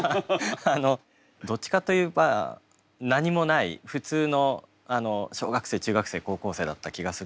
どっちかといえば何もない普通の小学生中学生高校生だった気がするんですよね。